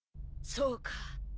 そうか。